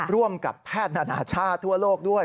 ร่วมกับแพทย์นานาชาติทั่วโลกด้วย